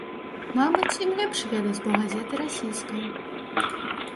Мабыць, ім лепш ведаць, бо газета расійская.